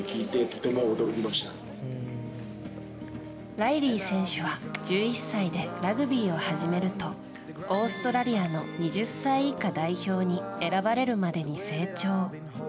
ライリー選手は１１歳でラグビーを始めるとオーストラリアの２０歳以下代表に選ばれるまでに成長。